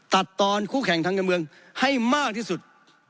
ตัดตอนคู่แข่งทางการเมืองให้มากที่สุด